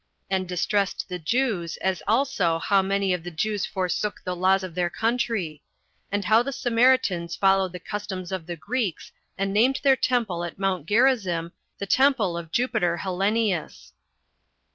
And Distressed The Jews' As Also How Many Of The Jews Forsook The Laws Of Their Country; And How The Samaritans Followed The Customs Of The Greeks And Named Their Temple At Mount Gerizzim The Temple Of Jupiter Hellenius.